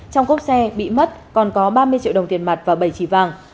trong cốc xe bị mất còn có ba mươi triệu đồng tiền mặt và bảy trì vàng